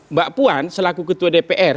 mbak puan selaku ketua dpr